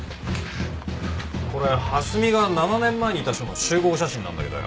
これ蓮見が７年前にいた署の集合写真なんだけどよ。